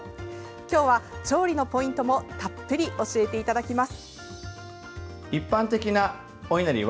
今日は調理のポイントもたっぷり教えていただきます。